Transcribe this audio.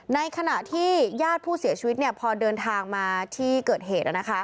ในขณะที่ญาติผู้เสียชีวิตพอเดินทางมาที่เกิดเหตุ